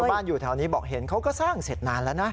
บ้านอยู่แถวนี้บอกเห็นเขาก็สร้างเสร็จนานแล้วนะ